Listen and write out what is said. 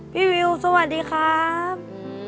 วิวสวัสดีครับ